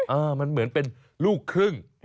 เออมันเหมือนเป็นลูกครึ่ง